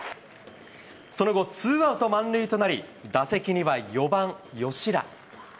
その後、ツーアウト満塁となり、打席には４番吉田。